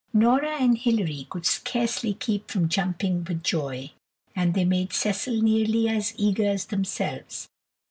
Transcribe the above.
Nora and Hilary could scarcely keep from jumping with joy, and they made Cecil nearly as eager as themselves.